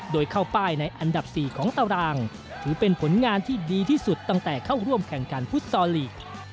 โดยเข้าป้ายในอันดับ๔ของตารางถือเป็นผลงานที่ดีที่สุดตั้งแต่เข้าร่วมแข่งขันฟุตซอลลีก